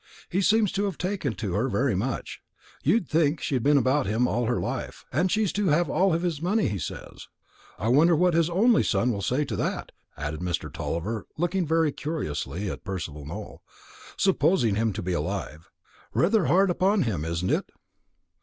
He seems to have taken to her very much. You'd think she'd been about him all her life; and she's to have all his money, he says. I wonder what his only son will say to that," added Mr. Tulliver, looking very curiously at Percival Nowell, "supposing him to be alive? Rather hard upon him, isn't it?"